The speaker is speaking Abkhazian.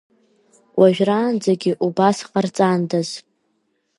Уажәраанӡагьы убас ҟарҵандаз!